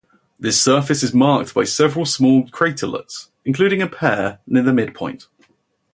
This surface is marked by several small craterlets, including a pair near the midpoint.